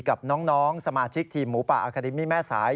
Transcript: กับน้องสมาชิกทีมหมูปะอาคดิมิแม่สาย